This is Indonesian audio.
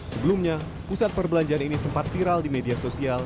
sebelumnya pusat perbelanjaan ini sempat viral di media sosial